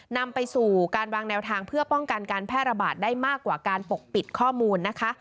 นำไปสู่การวางแนวทางเพื่อป้องกันการแพร่ระบาดได้มากกว่าการปกปิดข้อมูลนะคะ